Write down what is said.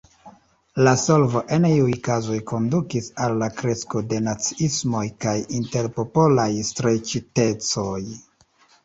La solvoj en iuj kazoj kondukis al la kresko de naciismoj kaj interpopolaj streĉitecoj.